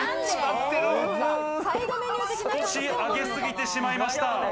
少し上げすぎてしまいました。